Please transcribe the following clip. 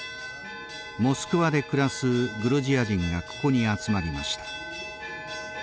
モスクワで暮らすグルジア人がここに集まりました。